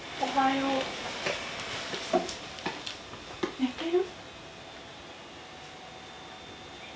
寝てる。